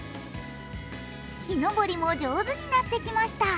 木登りも上手になってきました。